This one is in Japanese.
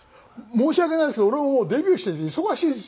申し訳ないですけど俺もうデビューしていて忙しいですよ。